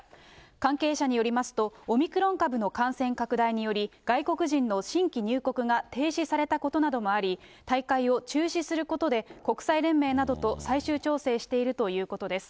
関係者によりますと、オミクロン株の感染拡大により、外国人の新規入国が停止されたことなどもあり、大会を中止することで、国際連盟などと最終調整しているということです。